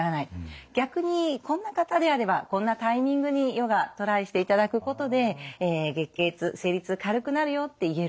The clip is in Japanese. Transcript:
逆にこんな方であればこんなタイミングにヨガトライしていただくことで月経痛生理痛軽くなるよって言える。